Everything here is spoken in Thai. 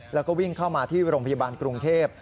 แล้วก็วิ่งเข้ามาที่โรงพยาบาลกรุงเทพ